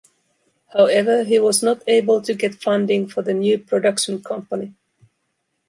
However he was not able to get funding for the new production company.